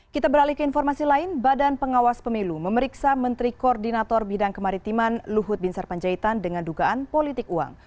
kita beralih ke informasi lain badan pengawas pemilu memeriksa menteri koordinator bidang kemaritiman luhut bin sarpanjaitan dengan dugaan politik uang